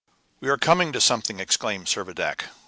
"We are coming to something!" exclaimed Servadac.